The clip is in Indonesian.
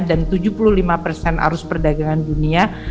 dan lebih dari delapan puluh lima arus perdagangan dunia